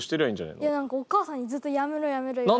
いや何かお母さんにずっと「やめろやめろ」。